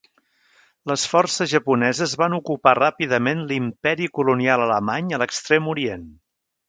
Les forces japoneses van ocupar ràpidament l'imperi colonial alemany a l'Extrem Orient.